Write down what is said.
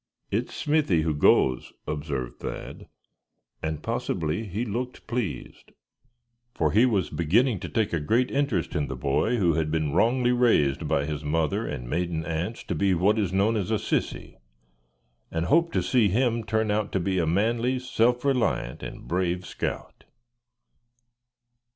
"It's Smithy who goes," observed Thad; and possibly he looked pleased; for he was beginning to take a great interest in the boy who had been wrongly raised by his mother and maiden aunts, to be what is known as a "sissy;" and hoped to see him turn out to be a manly, self reliant and brave scout.